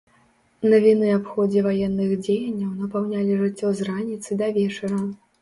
Навіны аб ходзе ваенных дзеянняў напаўнялі жыццё з раніцы да вечара.